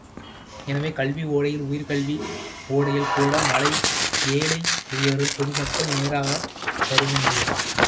எனவே, கல்வி ஒடையில் உயர்கல்வி ஒடையில்கூட ஏழை எளியவர்கள், பொதுமக்கள் நேராகப் பருக முடிகிறது.